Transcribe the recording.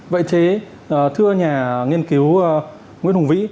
vậy thế thưa nhà nghiên cứu nguyễn hùng vĩ